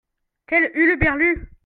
Quel huluberlus !